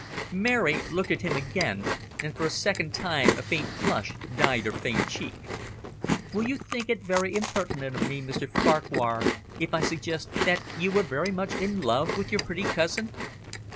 Mary looked at him again, and for a second time a faint flush dyed her fair cheek. "Will you think it very impertinent of me, Mr Farquhar, if I suggest that you were very much in love with your pretty cousin?"